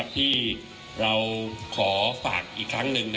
คุณผู้ชมไปฟังผู้ว่ารัฐกาลจังหวัดเชียงรายแถลงตอนนี้ค่ะ